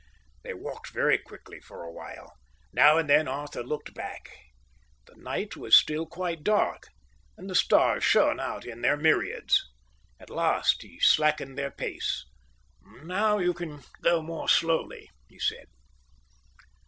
They walked very quickly for a while. Now and then Arthur looked back. The night was still quite dark, and the stars shone out in their myriads. At last he slackened their pace. "Now you can go more slowly," he said.